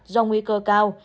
do nguy cơ cao